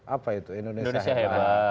apa itu indonesia hebat